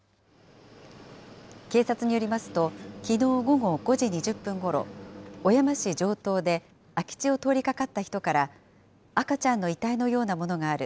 警察によりますと、きのう午後５時２０分ごろ、小山市城東で、空き地を通りかかった人から、赤ちゃんの遺体のようなものがある。